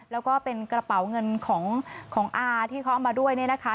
แล้วก็เป็นกระเป๋าเงินของอาที่เขาเอามาด้วยเนี่ยนะคะ